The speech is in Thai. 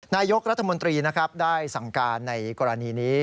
นายกราศมุลตรีได้สั่งการในกรณีนี้